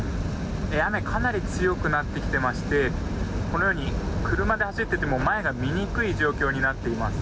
雨がかなり強くなってきていましてこのように車で走っていても前が見にくい状況になっています。